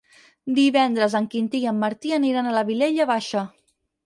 Divendres en Quintí i en Martí aniran a la Vilella Baixa.